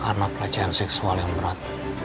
anak pelecehan seksual yang berat